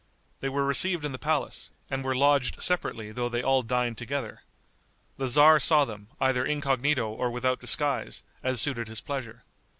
They were received in the palace, and were lodged separately though they all dined together. The tzar saw them, either incognito or without disguise, as suited his pleasure.